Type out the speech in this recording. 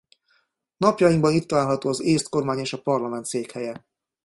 Napjainkban itt található az észt kormány és a parlament székhelye.